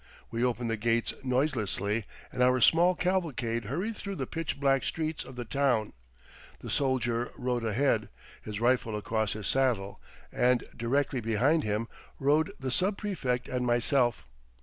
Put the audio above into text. We opened the gates noiselessly and our small cavalcade hurried through the pitch black streets of the town. The soldier rode ahead, his rifle across his saddle, and directly behind him rode the sub prefect and myself.